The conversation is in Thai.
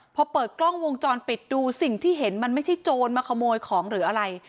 พอเปิดกล้องวงจรปิดดูสิ่งที่เห็นมันไม่ใช่โจรมาขโมยของหรืออะไร